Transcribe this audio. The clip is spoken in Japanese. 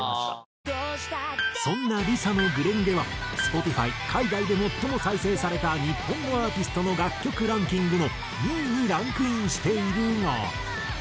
そんなＬｉＳＡの『紅蓮華』はＳｐｏｔｉｆｙ海外で最も再生された日本のアーティストの楽曲ランキングの２位にランクインしているが。